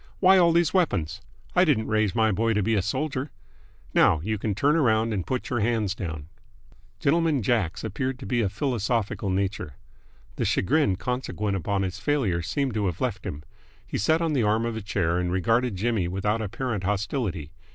"Why all these weapons? I didn't raise my boy to be a soldier! Now you can turn around and put your hands down." Gentleman Jack's appeared to be a philosophical nature. The chagrin consequent upon his failure seemed to have left him. He sat on the arm of a chair and regarded Jimmy without apparent hostility.